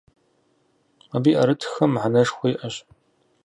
Абы и ӏэрытххэм мыхьэнэшхуэ иӏэщ.